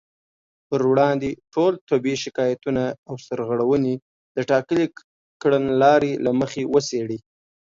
پر وړاندې ټول طبي شکايتونه او سرغړونې د ټاکلې کړنلارې له مخې وڅېړي